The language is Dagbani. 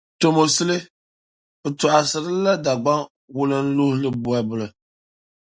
Tomosili, bɛ tͻɣisiri li la Dagbaŋ wulinluhili bͻbili.